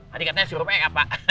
lah adik adiknya si rupiah ya pak